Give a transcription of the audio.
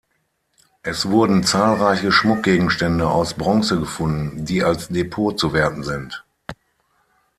Es wurden zahlreiche Schmuckgegenstände aus Bronze gefunden, die als Depot zu werten sind.